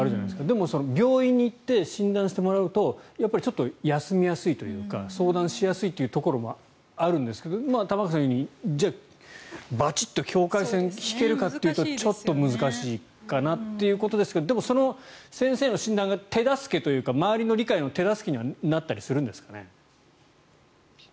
でも、病院に行って診断してもらうとやっぱりちょっと休みやすいというか相談しやすいところもあるんですが今、玉川さんが言ったようにじゃあ、バチッと境界線を引けるかというとちょっと難しいかなっていうことですけどでも、先生の診断が周りの理解の手助けになったりはするんですかね。